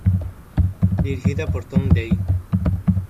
Dirigida por Tom Dey.